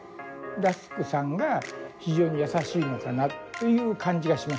らすくさんが非常に優しいのかなという感じがしましたね。